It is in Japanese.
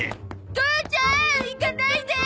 父ちゃん行かないで！